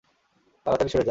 তাড়াতাড়ি সরে যা।